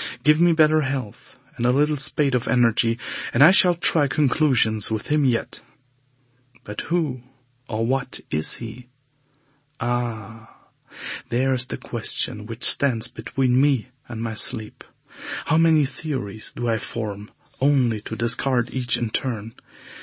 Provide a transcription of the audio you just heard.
Give me better health and a little spate of energy, and I shall try conclusions with him yet. But who and what is he? Ah! there is the question which stands between me and my sleep. How many theories do I form, only to discard each in turn!